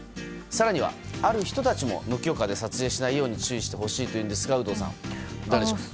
更には、ある人たちも無許可で撮影しないように注意してほしいというんですが有働さん、誰でしょう？